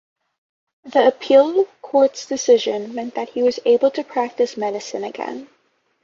The Appeal Court's decision meant that he was able to practice medicine again.